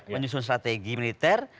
menyusun strategi militer